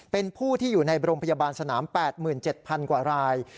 เป็นผู้ที่อยู่ในโรงพยาบาลสนาม๘๗๐๐กว่าราย